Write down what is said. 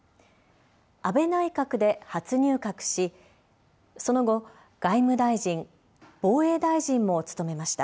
安倍内閣で初入閣し、その後、外務大臣、防衛大臣も務めました。